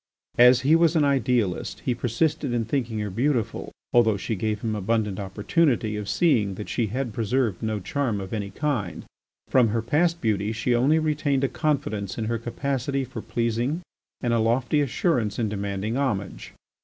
As he was an idealist, he persisted in thinking her beautiful, although she gave him abundant opportunity of seeing that she had preserved no charm of any kind. From her past beauty she only retained a confidence in her capacity for pleasing and a lofty assurance in demanding homage.